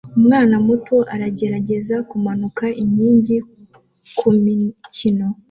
Umwana muto aragerageza kumanura inkingi kumikino